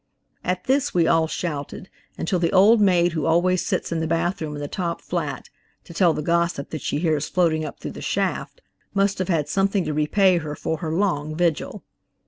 At this we all shouted, until the old maid who always sits in the bathroom in the top flat, to tell the gossip that she hears floating up through the shaft, must have had something to repay her for her long vigil.